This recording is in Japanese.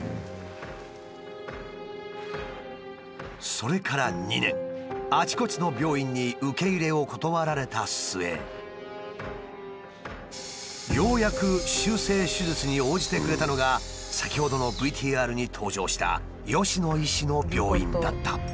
それから２年あちこちの病院に受け入れを断られた末ようやく修正手術に応じてくれたのが先ほどのＶＴＲに登場した吉野医師の病院だった。